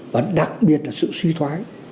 và đặc biệt là sự suy thoái